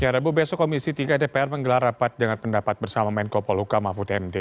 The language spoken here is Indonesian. rabu besok komisi tiga dpr menggelar rapat dengan pendapat bersama menko polhuka mahfud md